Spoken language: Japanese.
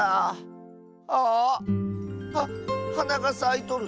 ああっ⁉ははながさいとる！